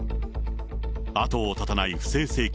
後を絶たない不正請求。